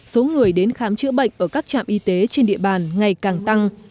số người đến khám chữa bệnh ở các trạm y tế trên địa bàn ngày càng tăng